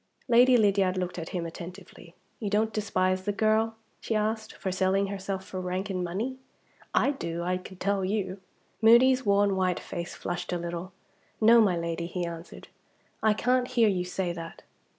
Lady Lydiard looked at him attentively. "You don't despise the girl," she asked, "for selling herself for rank and money? I do I can tell you!" Moody's worn white face flushed a little. "No, my Lady," he answered, "I can't hear you say that!